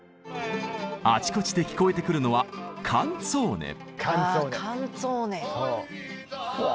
あちこちで聞こえてくるのはうわ